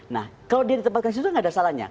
nah kalau dia ditempatkan disitu enggak ada salahnya